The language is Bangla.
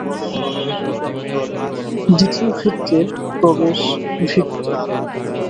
দ্বিতীয় ভৃত্যের প্রবেশ ভৃত্য।